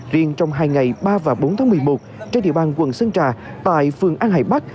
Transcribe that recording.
riêng trong hai ngày ba và bốn tháng một mươi một trên địa bàn quận sơn trà tại phường an hải bắc